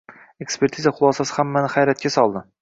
Ekspertiza xulosasi hammani hayratga soldi